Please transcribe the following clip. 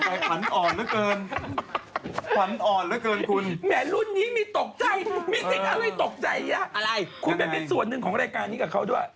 คุณเป็นส่วนหนึ่งของรายการนี้กับเขาด้วย